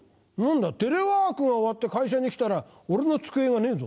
テレワークが終わって会社に来たら俺の机がねえぞ。